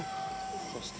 そして、